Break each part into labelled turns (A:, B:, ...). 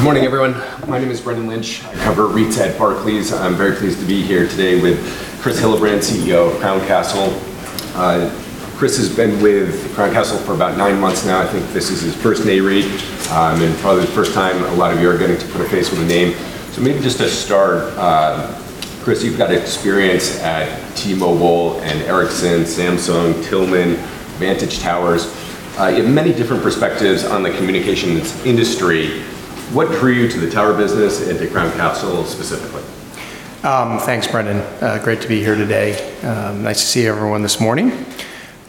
A: Good morning, everyone. My name is Brendan Lynch. I cover REITs at Barclays. I'm very pleased to be here today with Chris Hillabrant, CEO of Crown Castle. Chris has been with Crown Castle for about nine months now. I think this is his first Nareit’s REITweek and probably the first time a lot of you are going to put a face with a name. Maybe just to start, Chris, you've got experience at T-Mobile and Ericsson, Samsung, Tillman, Vantage Towers. You have many different perspectives on the communications industry. What drew you to the tower business and to Crown Castle specifically?
B: Thanks, Brendan. Great to be here today. Nice to see everyone this morning.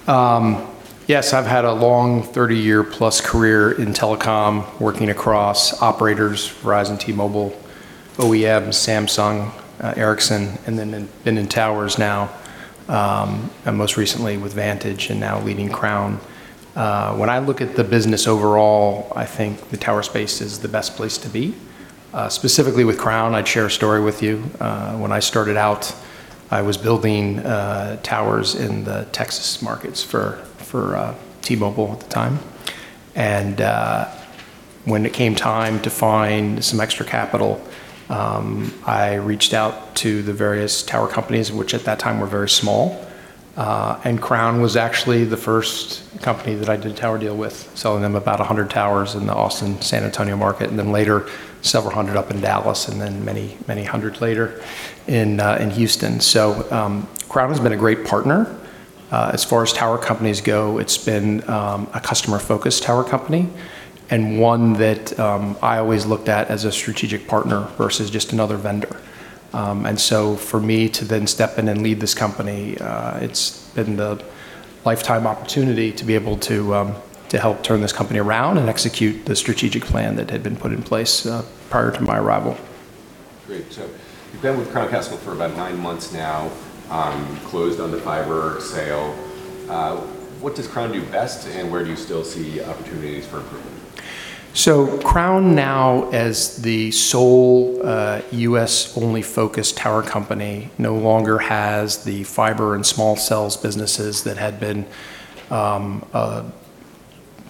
B: Yes, I've had a long, 30+ year career in telecom, working across operators, Verizon, T-Mobile, OEM, Samsung, Ericsson, and then been in towers now, and most recently with Vantage and now leading Crown. When I look at the business overall, I think the tower space is the best place to be. Specifically with Crown, I'd share a story with you. When I started out, I was building towers in the Texas markets for T-Mobile at the time. When it came time to find some extra capital, I reached out to the various tower companies, which at that time were very small. Crown was actually the first company that I did a tower deal with, selling them about 100 towers in the Austin, San Antonio market, and then later several hundred up in Dallas, and then many hundreds later in Houston. Crown has been a great partner. As far as tower companies go, it's been a customer-focused tower company and one that I always looked at as a strategic partner versus just another vendor. For me to then step in and lead this company, it's been the lifetime opportunity to be able to help turn this company around and execute the strategic plan that had been put in place prior to my arrival.
A: Great, you've been with Crown Castle for about nine months now, closed on the fiber sale. What does Crown do best, and where do you still see opportunities for improvement?
B: Crown Castle now as the sole U.S.-only focused tower company no longer has the fiber and small cells businesses that had been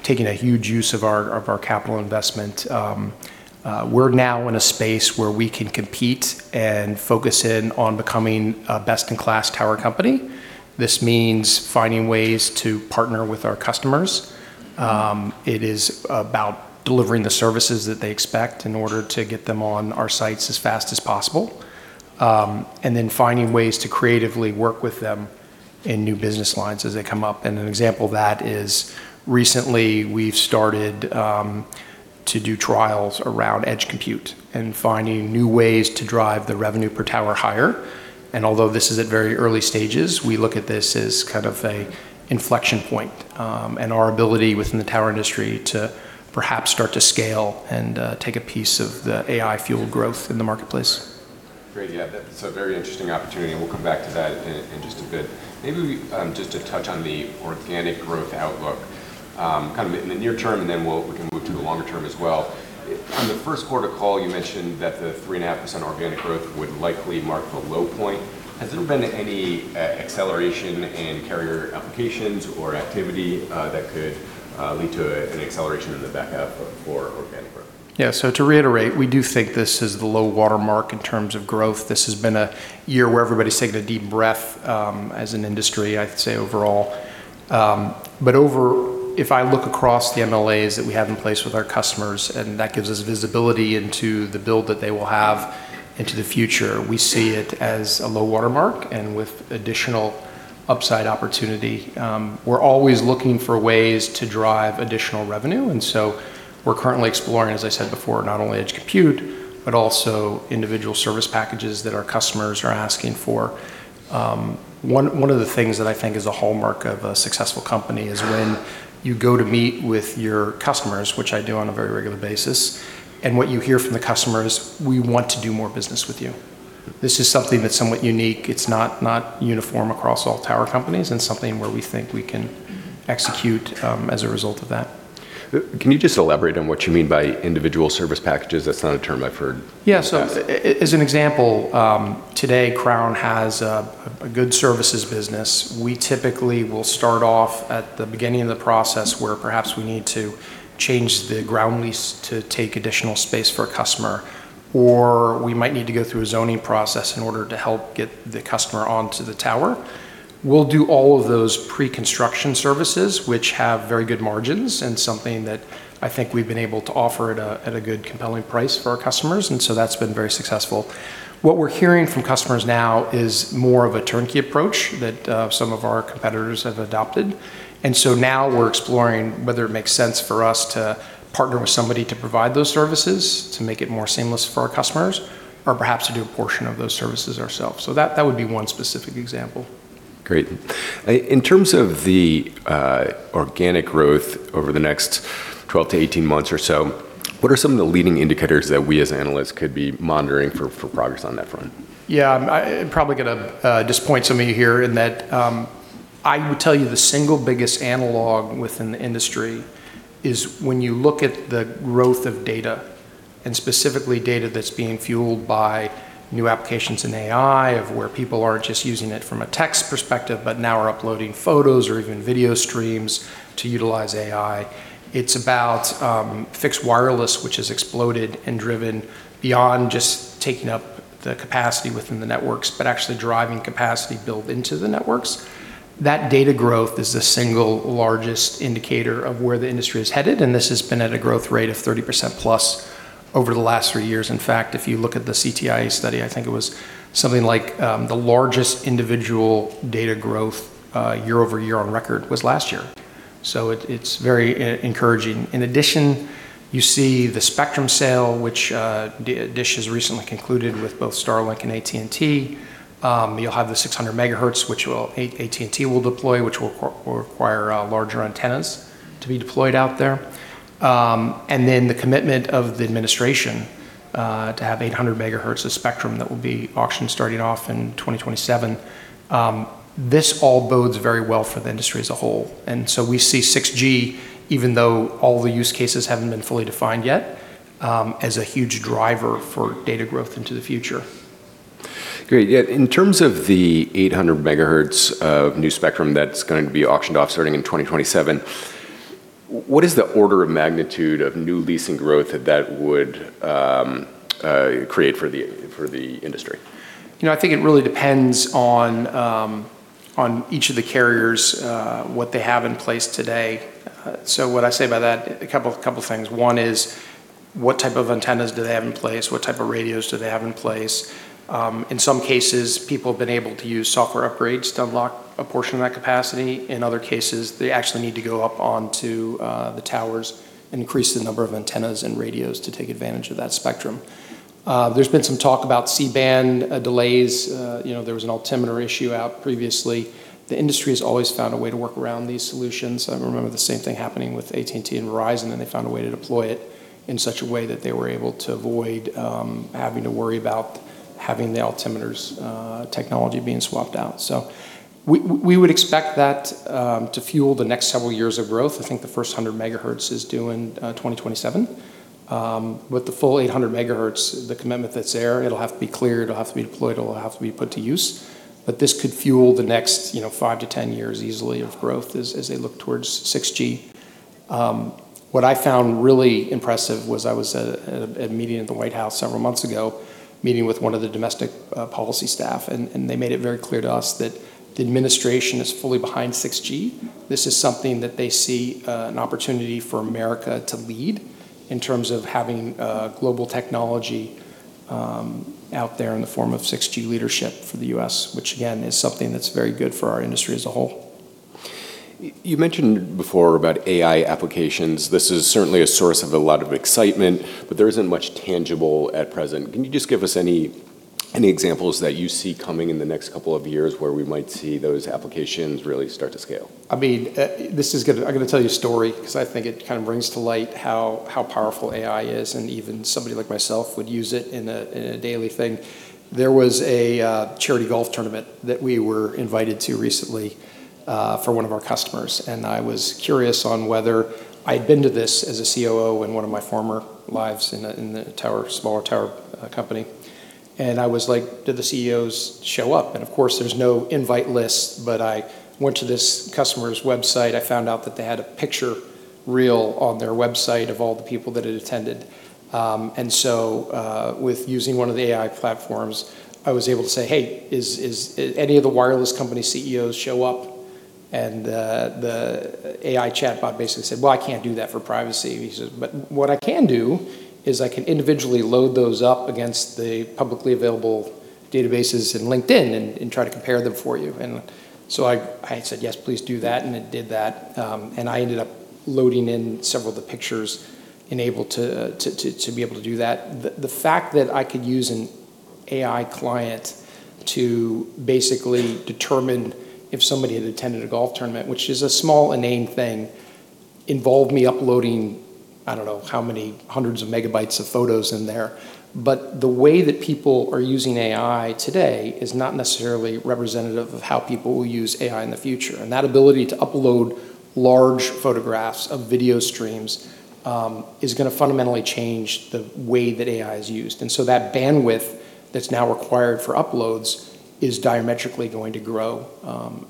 B: taking a huge use of our capital investment. We're now in a space where we can compete and focus in on becoming a best-in-class tower company. This means finding ways to partner with our customers. It is about delivering the services that they expect in order to get them on our sites as fast as possible. Then finding ways to creatively work with them in new business lines as they come up. An example of that is recently we've started to do trials around edge computing and finding new ways to drive the revenue per tower higher. Although this is at very early stages, we look at this as kind of an inflection point, and our ability within the tower industry to perhaps start to scale and take a piece of the AI-fueled growth in the marketplace.
A: Great. Yeah. That's a very interesting opportunity, and we'll come back to that in just a bit. Maybe just to touch on the organic growth outlook, kind of in the near term, and then we can move to the longer term as well. On the first quarter call, you mentioned that the 3.5% organic growth would likely mark the low point. Has there been any acceleration in carrier applications or activity that could lead to an acceleration in the back half for organic growth?
B: Yeah. To reiterate, we do think this is the low water mark in terms of growth. This has been a year where everybody's taking a deep breath as an industry, I'd say overall. If I look across the MLAs that we have in place with our customers, and that gives us visibility into the build that they will have into the future, we see it as a low water mark and with additional upside opportunity. We're always looking for ways to drive additional revenue, and so we're currently exploring, as I said before, not only edge computing, but also individual service packages that our customers are asking for. One of the things that I think is a hallmark of a successful company is when you go to meet with your customers, which I do on a very regular basis, and what you hear from the customer is, "We want to do more business with you." This is something that's somewhat unique. It's not uniform across all tower companies and something where we think we can execute as a result of that.
A: Can you just elaborate on what you mean by individual service packages? That's not a term I've heard in the past.
B: As an example, today Crown has a good services business. We typically will start off at the beginning of the process where perhaps we need to change the ground lease to take additional space for a customer, or we might need to go through a zoning process in order to help get the customer onto the tower. We'll do all of those pre-construction services, which have very good margins and something that I think we've been able to offer at a good compelling price for our customers. That's been very successful. What we're hearing from customers now is more of a turnkey approach that some of our competitors have adopted. Now we're exploring whether it makes sense for us to partner with somebody to provide those services to make it more seamless for our customers, or perhaps to do a portion of those services ourselves. That would be one specific example.
A: Great. In terms of the organic growth over the next 12-18 months or so, what are some of the leading indicators that we as analysts could be monitoring for progress on that front?
B: Yeah. I'm probably going to disappoint some of you here in that I would tell you the single biggest analog within the industry is when you look at the growth of data, and specifically data that's being fueled by new applications in AI, of where people aren't just using it from a text perspective, but now are uploading photos or even video streams to utilize AI. It's about fixed wireless, which has exploded and driven beyond just taking up the capacity within the networks, but actually driving capacity build into the networks. That data growth is the single largest indicator of where the industry is headed, and this has been at a growth rate of 30%+ over the last three years. In fact, if you look at the CTIA study, I think it was something like the largest individual data growth year-over-year on record was last year. It's very encouraging. In addition, you see the spectrum sale, which DISH has recently concluded with both Starlink and AT&T. You'll have the 600 MHz, which AT&T will deploy, which will require larger antennas to be deployed out there. Then the commitment of the administration to have 800 MHz of spectrum that will be auctioned starting off in 2027. This all bodes very well for the industry as a whole. We see 6G, even though all the use cases haven't been fully defined yet, as a huge driver for data growth into the future.
A: Great. Yeah, in terms of the 800 MHz of new spectrum that's going to be auctioned off starting in 2027, what is the order of magnitude of new leasing growth that that would create for the industry?
B: I think it really depends on each of the carriers, what they have in place today. What I say by that, a couple of things. One is what type of antennas do they have in place? What type of radios do they have in place? In some cases, people have been able to use software upgrades to unlock a portion of that capacity. In other cases, they actually need to go up onto the towers and increase the number of antennas and radios to take advantage of that spectrum. There's been some talk about C-band delays. There was an altimeter issue out previously. The industry has always found a way to work around these solutions. I remember the same thing happening with AT&T and Verizon, and they found a way to deploy it in such a way that they were able to avoid having to worry about having the altimeters technology being swapped out. We would expect that to fuel the next several years of growth. I think the first 100 MHz is due in 2027. With the full 800 MHz, the commitment that's there, it'll have to be cleared, it'll have to be deployed, it'll have to be put to use. This could fuel the next 5-10 years easily of growth as they look towards 6G. What I found really impressive was I was at a meeting at the White House several months ago, meeting with one of the domestic policy staff, and they made it very clear to us that the administration is fully behind 6G. This is something that they see an opportunity for America to lead in terms of having global technology out there in the form of 6G leadership for the U.S., which again, is something that's very good for our industry as a whole.
A: You mentioned before about AI applications. This is certainly a source of a lot of excitement, but there isn't much tangible at present. Can you just give us any examples that you see coming in the next couple of years where we might see those applications really start to scale?
B: I'm going to tell you a story because I think it kind of brings to light how powerful AI is, and even somebody like myself would use it in a daily thing. There was a charity golf tournament that we were invited to recently, for one of our customers. I was curious on whether I'd been to this as a COO in one of my former lives in a smaller tower company. I was like, "Do the CEOs show up?" Of course, there's no invite list, but I went to this customer's website. I found out that they had a picture reel on their website of all the people that had attended. With using one of the AI platforms, I was able to say, "Hey, any of the wireless company CEOs show up?" The AI chatbot basically said, "Well, I can't do that for privacy." He says, "What I can do is I can individually load those up against the publicly available databases in LinkedIn and try to compare them for you." I said, "Yes, please do that," and it did that. I ended up loading in several of the pictures and able to be able to do that. The fact that I could use an AI client to basically determine if somebody had attended a golf tournament, which is a small, inane thing, involved me uploading, I don't know how many hundreds of megabytes of photos in there. The way that people are using AI today is not necessarily representative of how people will use AI in the future. That ability to upload large photographs of video streams is going to fundamentally change the way that AI is used. That bandwidth that's now required for uploads is diametrically going to grow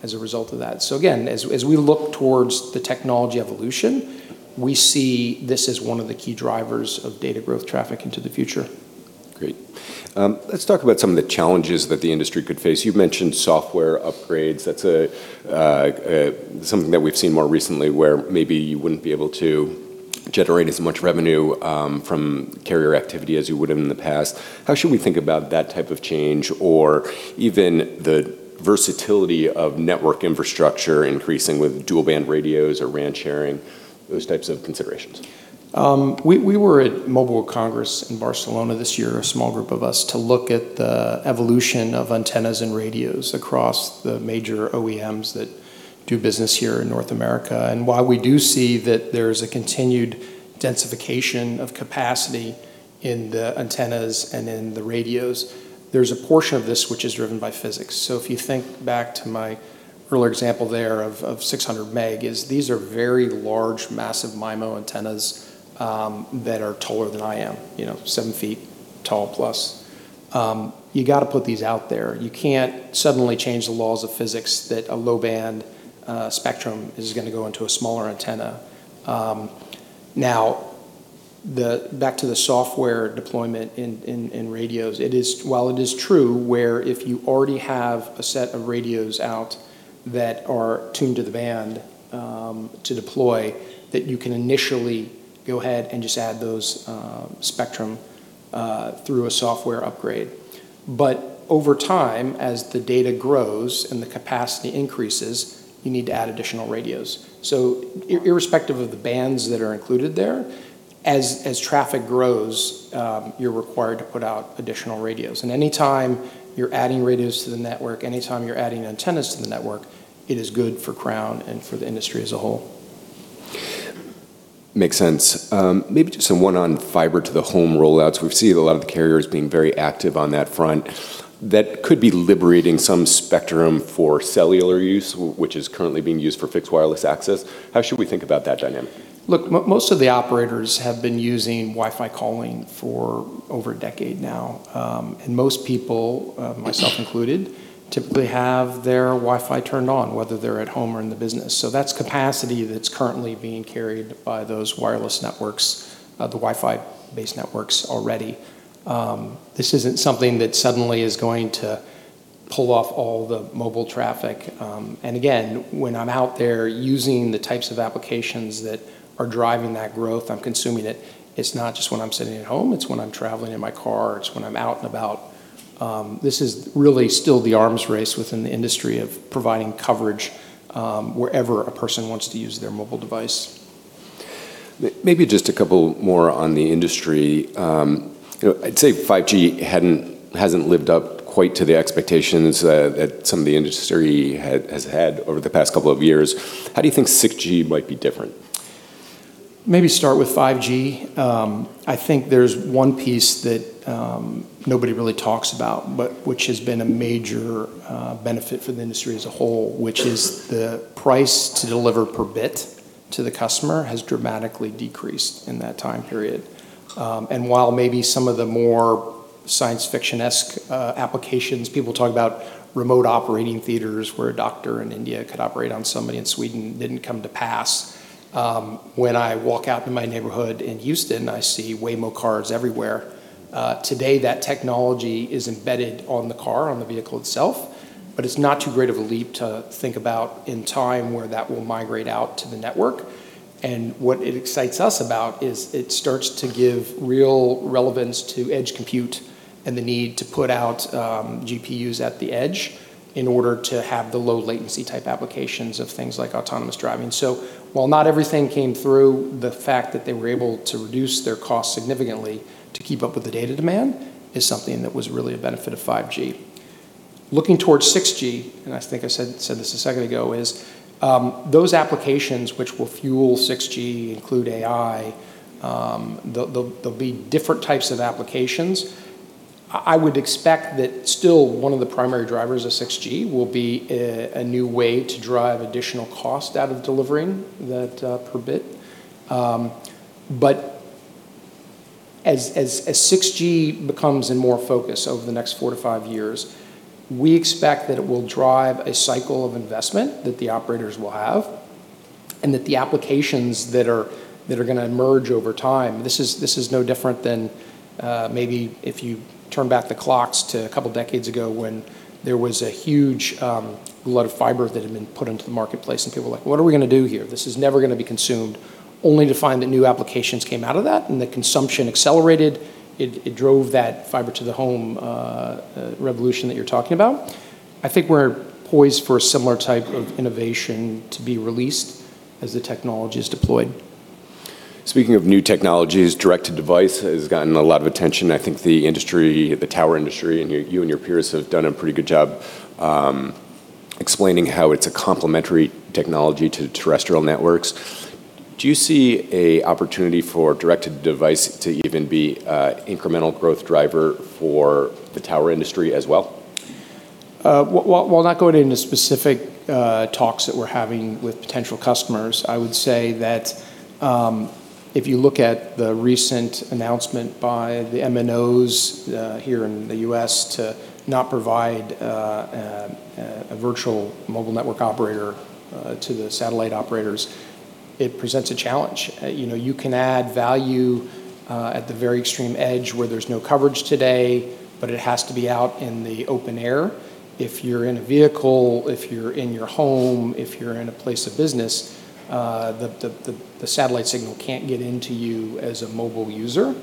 B: as a result of that. Again, as we look towards the technology evolution, we see this as one of the key drivers of data growth traffic into the future.
A: Great. Let's talk about some of the challenges that the industry could face. You've mentioned software upgrades. That's something that we've seen more recently where maybe you wouldn't be able to generate as much revenue from carrier activity as you would have in the past. How should we think about that type of change, or even the versatility of network infrastructure increasing with dual-band radios or RAN sharing, those types of considerations?
B: We were at Mobile Congress in Barcelona this year, a small group of us, to look at the evolution of antennas and radios across the major OEMs that do business here in North America. While we do see that there's a continued densification of capacity in the antennas and in the radios, there's a portion of this which is driven by physics. If you think back to my earlier example there of 600 MHz is these are very large, massive MIMO antennas, that are taller than I am, 7 ft tall plus. You got to put these out there. You can't suddenly change the laws of physics that a low-band spectrum is going to go into a smaller antenna. Back to the software deployment in radios. While it is true where if you already have a set of radios out that are tuned to the band to deploy, that you can initially go ahead and just add those spectrum through a software upgrade. Over time, as the data grows and the capacity increases, you need to add additional radios. Irrespective of the bands that are included there, as traffic grows, you're required to put out additional radios. Any time you're adding radios to the network, any time you're adding antennas to the network, it is good for Crown and for the industry as a whole.
A: Makes sense. Maybe just someone on Fiber-to-the-Home rollouts. We've seen a lot of the carriers being very active on that front. That could be liberating some spectrum for cellular use, which is currently being used for fixed wireless access. How should we think about that dynamic?
B: Most of the operators have been using Wi-Fi calling for over a decade now. Most people, myself included, typically have their Wi-Fi turned on, whether they're at home or in the business. That's capacity that's currently being carried by those wireless networks, the Wi-Fi-based networks already. This isn't something that suddenly is going to pull off all the mobile traffic. Again, when I'm out there using the types of applications that are driving that growth, I'm consuming it. It's not just when I'm sitting at home, it's when I'm traveling in my car, it's when I'm out and about. This is really still the arms race within the industry of providing coverage wherever a person wants to use their mobile device.
A: Maybe just a couple more on the industry. I'd say 5G hasn't lived up quite to the expectations that some of the industry has had over the past couple of years. How do you think 6G might be different?
B: Maybe start with 5G. I think there's one piece that nobody really talks about, but which has been a major benefit for the industry as a whole, which is the price to deliver per bit to the customer has dramatically decreased in that time period. While maybe some of the more science fiction-esque applications, people talk about remote operating theaters where a doctor in India could operate on somebody in Sweden, didn't come to pass. When I walk out in my neighborhood in Houston, I see Waymo cars everywhere. Today, that technology is embedded on the car, on the vehicle itself, but it's not too great of a leap to think about in time where that will migrate out to the network. What it excites us about is it starts to give real relevance to edge computing and the need to put out GPUs at the edge in order to have the low-latency type applications of things like autonomous driving. While not everything came through, the fact that they were able to reduce their cost significantly to keep up with the data demand is something that was really a benefit of 5G. Looking towards 6G, and I think I said this a second ago, is those applications which will fuel 6G include AI. There'll be different types of applications. I would expect that still one of the primary drivers of 6G will be a new way to drive additional cost out of delivering that per bit. As 6G becomes in more focus over the next four to five years, we expect that it will drive a cycle of investment that the operators will have, and that the applications that are going to emerge over time, this is no different than maybe if you turn back the clocks to a couple decades ago when there was a huge load of fiber that had been put into the marketplace, and people were like, "What are we going to do here? This is never going to be consumed." Only to find that new applications came out of that, and the consumption accelerated. It drove that Fiber-to-the-Home revolution that you're talking about. I think we're poised for a similar type of innovation to be released as the technology is deployed.
A: Speaking of new technologies, direct-to-device has gotten a lot of attention. I think the tower industry, and you and your peers have done a pretty good job explaining how it's a complementary technology to terrestrial networks. Do you see a opportunity for direct-to-device to even be a incremental growth driver for the tower industry as well?
B: While not going into specific talks that we're having with potential customers, I would say that if you look at the recent announcement by the MNOs here in the U.S. to not provide a mobile virtual network operator to the satellite operators, it presents a challenge. You can add value at the very extreme edge where there's no coverage today, but it has to be out in the open air. If you're in a vehicle, if you're in your home, if you're in a place of business, the satellite signal can't get into you as a mobile user.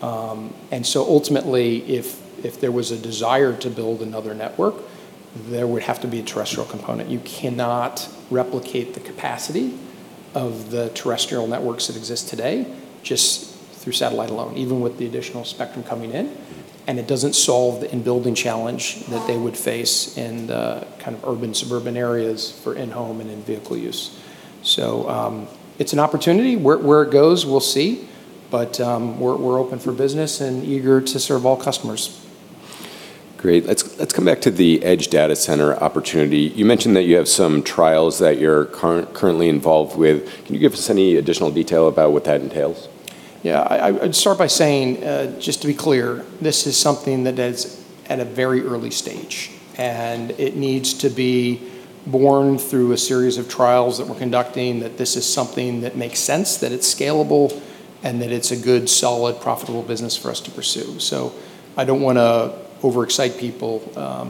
B: Ultimately, if there was a desire to build another network, there would have to be a terrestrial component. You cannot replicate the capacity of the terrestrial networks that exist today just through satellite alone, even with the additional spectrum coming in. It doesn't solve the in-building challenge that they would face in the urban, suburban areas for in-home and in-vehicle use. It's an opportunity. Where it goes, we'll see, but we're open for business and eager to serve all customers.
A: Great. Let's come back to the edge data center opportunity. You mentioned that you have some trials that you're currently involved with. Can you give us any additional detail about what that entails?
B: Yeah. I'd start by saying, just to be clear, this is something that is at a very early stage, and it needs to be born through a series of trials that we're conducting, that this is something that makes sense, that it's scalable, and that it's a good, solid, profitable business for us to pursue. I don't want to overexcite people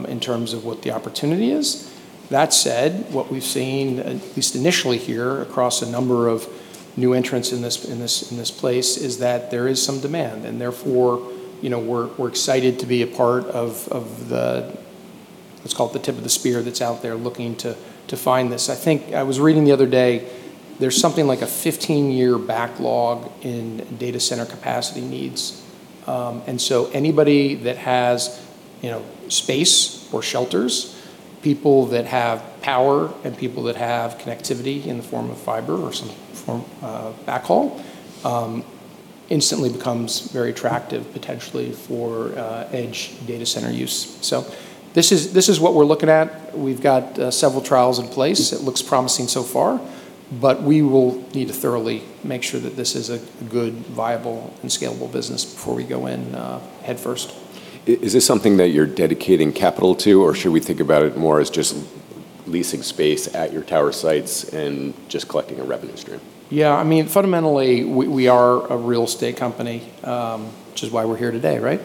B: in terms of what the opportunity is. That said, what we've seen, at least initially here across a number of new entrants in this place, is that there is some demand, and therefore, we're excited to be a part of the, let's call it the tip of the spear that's out there looking to find this. I was reading the other day, there's something like a 15-year backlog in data center capacity needs. Anybody that has space or shelters, people that have power, and people that have connectivity in the form of fiber or some form of backhaul, instantly becomes very attractive potentially for edge data center use. This is what we're looking at. We've got several trials in place. It looks promising so far. We will need to thoroughly make sure that this is a good, viable, and scalable business before we go in headfirst.
A: Is this something that you're dedicating capital to, or should we think about it more as just leasing space at your tower sites and just collecting a revenue stream?
B: Fundamentally, we are a real estate company, which is why we're here today, right?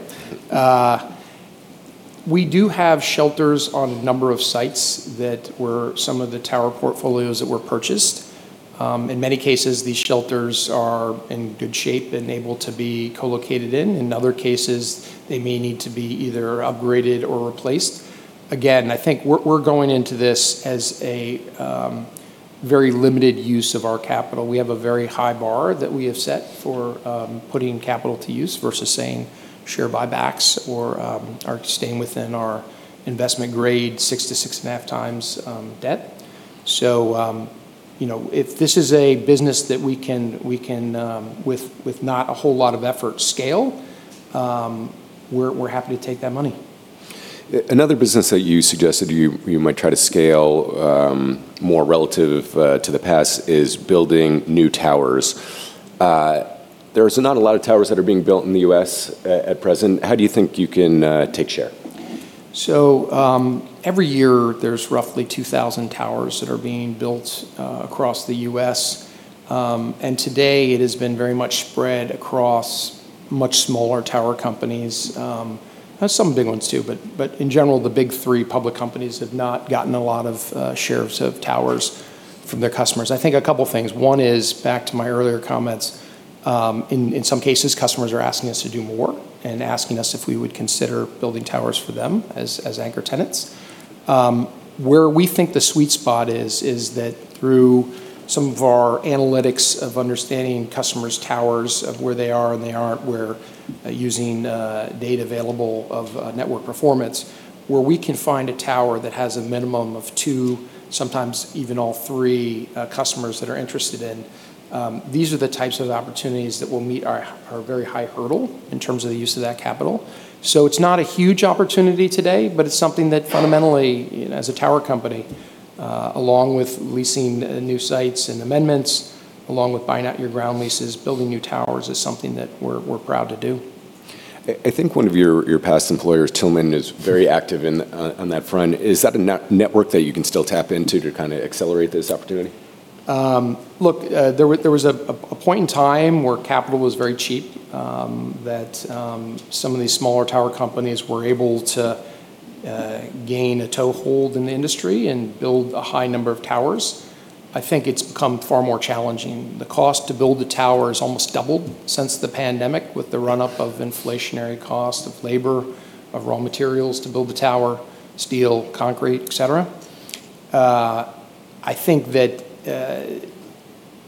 B: We do have shelters on a number of sites that were some of the tower portfolios that were purchased. In many cases, these shelters are in good shape and able to be co-located in. In other cases, they may need to be either upgraded or replaced. I think we're going into this as a very limited use of our capital. We have a very high bar that we have set for putting capital to use versus saying share buybacks or staying within our investment grade 6x-6.5x debt. If this is a business that we can, with not a whole lot of effort, scale, we're happy to take that money.
A: Another business that you suggested you might try to scale more relative to the past is building new towers. There's not a lot of towers that are being built in the U.S. at present. How do you think you can take share?
B: Every year, there's roughly 2,000 towers that are being built across the U.S. Today, it has been very much spread across much smaller tower companies. There's some big ones, too, but in general, the big three public companies have not gotten a lot of shares of towers from their customers. I think a couple things. One is, back to my earlier comments, in some cases, customers are asking us to do more and asking us if we would consider building towers for them as anchor tenants. Where we think the sweet spot is that through some of our analytics of understanding customers' towers of where they are and they aren't, we're using data available of network performance where we can find a tower that has a minimum of two, sometimes even all three customers that are interested in. These are the types of opportunities that will meet our very high hurdle in terms of the use of that capital. It's not a huge opportunity today, but it's something that fundamentally, as a tower company, along with leasing new sites and amendments, along with buying out your ground leases, building new towers is something that we're proud to do.
A: I think one of your past employers, Tillman, is very active on that front. Is that a network that you can still tap into to accelerate this opportunity?
B: There was a point in time where capital was very cheap, that some of these smaller tower companies were able to gain a toehold in the industry and build a high number of towers. I think it's become far more challenging. The cost to build a tower has almost doubled since the pandemic with the run-up of inflationary cost of labor, of raw materials to build a tower, steel, concrete, et cetera. I think that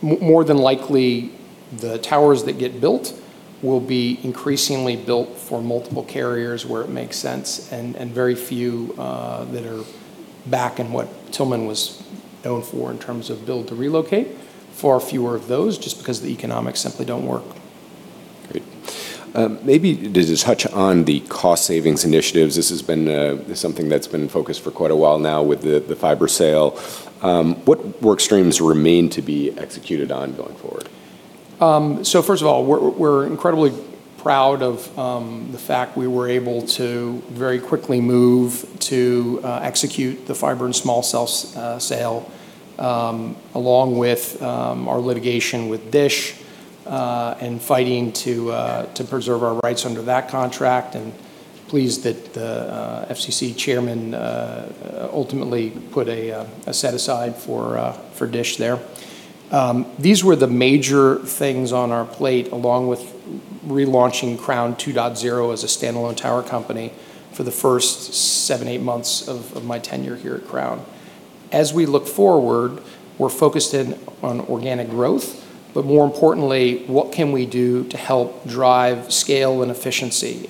B: more than likely, the towers that get built will be increasingly built for multiple carriers where it makes sense, and very few that are back in what Tillman was known for in terms of build to relocate. Far fewer of those, just because the economics simply don't work.
A: Great. Maybe just touch on the cost savings initiatives. This has been something that's been in focus for quite a while now with the fiber sale. What work streams remain to be executed on going forward?
B: First of all, we're incredibly proud of the fact we were able to very quickly move to execute the fiber and small cells sale, along with our litigation with DISH, and fighting to preserve our rights under that contract, and pleased that the FCC chairman ultimately put a set aside for DISH there. These were the major things on our plate, along with relaunching Crown 2.0 as a standalone tower company for the first seven, eight months of my tenure here at Crown. As we look forward, we're focused in on organic growth, but more importantly, what can we do to help drive scale and efficiency?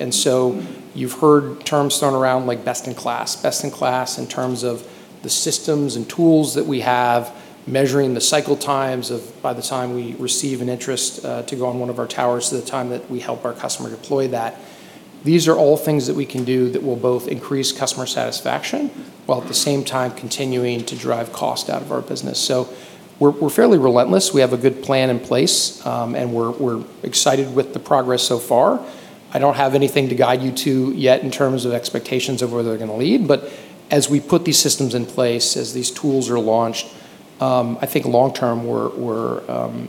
B: You've heard terms thrown around like best in class. Best in class in terms of the systems and tools that we have, measuring the cycle times of by the time we receive an interest to go on one of our towers to the time that we help our customer deploy that. These are all things that we can do that will both increase customer satisfaction while at the same time continuing to drive cost out of our business. We're fairly relentless. We have a good plan in place, and we're excited with the progress so far. I don't have anything to guide you to yet in terms of expectations of where they're going to lead. As we put these systems in place, as these tools are launched, I think long term, we're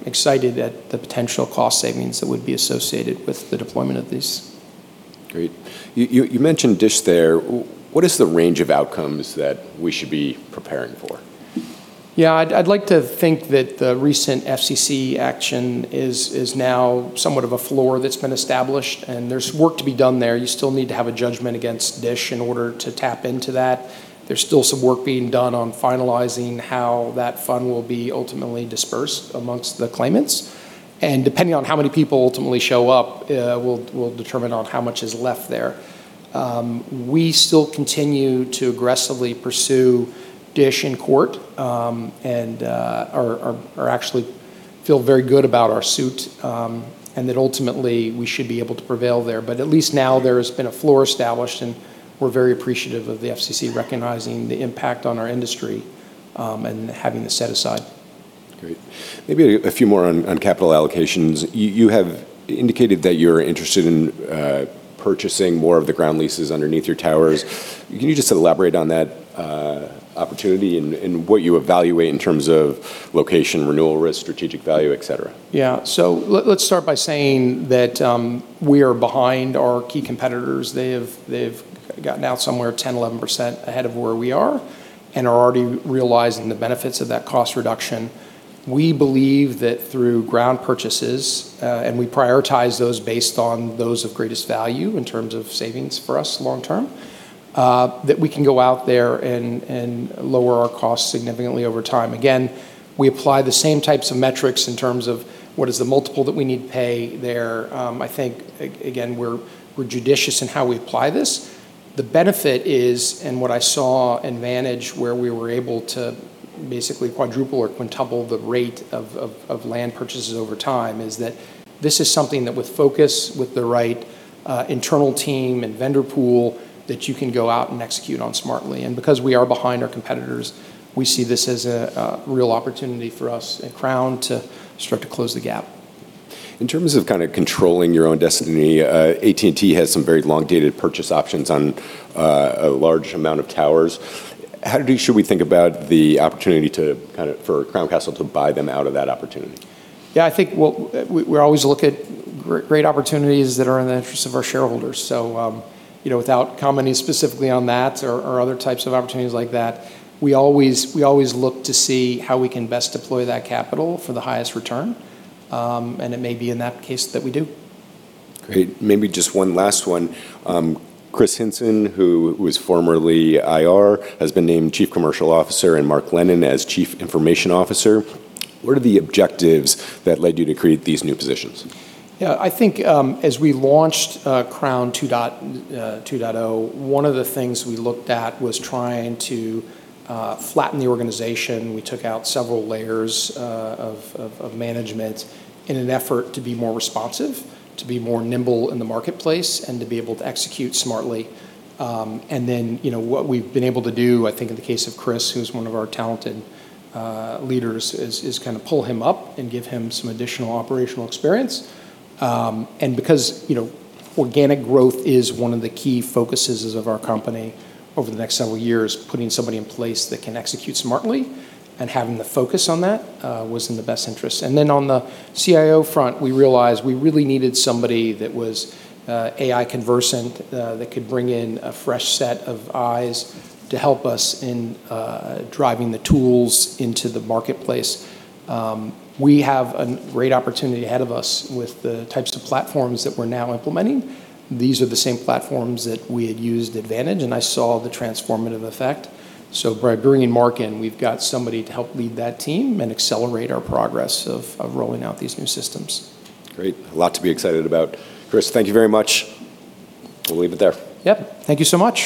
B: excited at the potential cost savings that would be associated with the deployment of these.
A: Great. You mentioned DISH there. What is the range of outcomes that we should be preparing for?
B: Yeah. I'd like to think that the recent FCC action is now somewhat of a floor that's been established, and there's work to be done there. You still need to have a judgment against DISH in order to tap into that. There's still some work being done on finalizing how that fund will be ultimately dispersed amongst the claimants. Depending on how many people ultimately show up, will determine on how much is left there. We still continue to aggressively pursue DISH in court, and actually feel very good about our suit, and that ultimately we should be able to prevail there. At least now there has been a floor established, and we're very appreciative of the FCC recognizing the impact on our industry, and having this set aside.
A: Great. Maybe a few more on capital allocations. You have indicated that you're interested in purchasing more of the ground leases underneath your towers. Can you just elaborate on that opportunity and what you evaluate in terms of location, renewal risk, strategic value, et cetera?
B: Yeah. Let's start by saying that we are behind our key competitors. They've gotten out somewhere 10%-11% ahead of where we are and are already realizing the benefits of that cost reduction. We believe that through ground purchases, and we prioritize those based on those of greatest value in terms of savings for us long term, that we can go out there and lower our costs significantly over time. Again, we apply the same types of metrics in terms of what is the multiple that we need to pay there. I think, again, we're judicious in how we apply this. The benefit is, and what I saw in Vantage, where we were able to basically quadruple or quintuple the rate of land purchases over time, is that this is something that with focus, with the right internal team and vendor pool, that you can go out and execute on smartly. Because we are behind our competitors, we see this as a real opportunity for us at Crown to start to close the gap.
A: In terms of kind of controlling your own destiny, AT&T has some very long-dated purchase options on a large amount of towers. How should we think about the opportunity for Crown Castle to buy them out of that opportunity?
B: Yeah, I think we're always looking at great opportunities that are in the interest of our shareholders. Without commenting specifically on that or other types of opportunities like that, we always look to see how we can best deploy that capital for the highest return. It may be in that case that we do.
A: Great. Maybe just one last one. Kris Hinson, who was formerly IR, has been named Chief Commercial Officer and Mark Lennon as Chief Information Officer. What are the objectives that led you to create these new positions?
B: Yeah, I think as we launched Crown 2.0, one of the things we looked at was trying to flatten the organization. We took out several layers of management in an effort to be more responsive, to be more nimble in the marketplace, and to be able to execute smartly. What we've been able to do, I think in the case of Kris, who's one of our talented leaders, is kind of pull him up and give him some additional operational experience. Because organic growth is one of the key focuses of our company over the next several years, putting somebody in place that can execute smartly and having the focus on that, was in the best interest. On the CIO front, we realized we really needed somebody that was AI conversant, that could bring in a fresh set of eyes to help us in driving the tools into the marketplace. We have a great opportunity ahead of us with the types of platforms that we're now implementing. These are the same platforms that we had used at Vantage, and I saw the transformative effect. By bringing Mark in, we've got somebody to help lead that team and accelerate our progress of rolling out these new systems.
A: Great. A lot to be excited about. Chris, thank you very much. We'll leave it there.
B: Yep. Thank you so much.